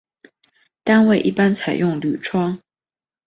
单位一般采用铝窗。